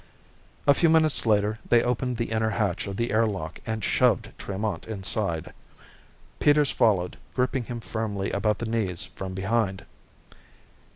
A few minutes later, they opened the inner hatch of the air lock and shoved Tremont inside. Peters followed, gripping him firmly about the knees from behind.